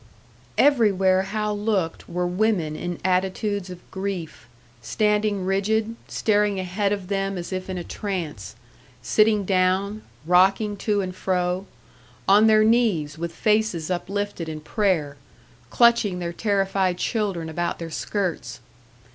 Everywhere Hal looked were women in attitudes of grief: standing rigid, staring ahead of them as if in a trance; sitting down, rocking to and fro; on their knees with faces uplifted in prayer; clutching their terrified children about their skirts.